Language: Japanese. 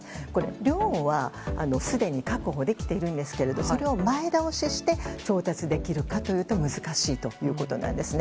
量はすでに確保できているんですがそれを前倒しして調達できるかというと難しいということなんです。